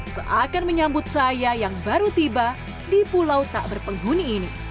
seakan menyambut saya yang baru tiba di pulau tak berpenghuni ini